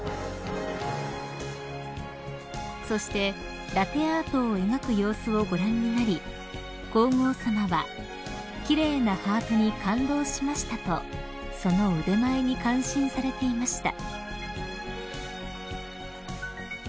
［そしてラテアートを描く様子をご覧になり皇后さまは「奇麗なハートに感動しました」とその腕前に感心されていました］